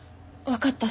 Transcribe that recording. わかった。